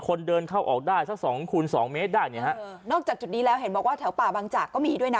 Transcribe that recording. คนเดินเข้าออกได้สักสองคูณสองเมตรได้เนี่ยฮะนอกจากจุดนี้แล้วเห็นบอกว่าแถวป่าบางจากก็มีด้วยนะ